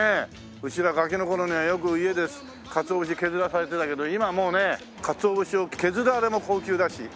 うちらガキの頃にはよく家でかつおぶし削らされてたけど今はもうねえかつおぶしを削るあれも高級だし。